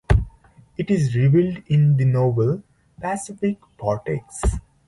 It is revealed in the novel Pacific Vortex!